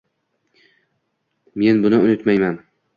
Men buni unutmayman.